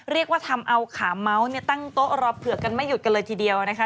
เรียกว่าทำเอาขาเมาส์เนี่ยตั้งโต๊ะรอเผือกกันไม่หยุดกันเลยทีเดียวนะคะ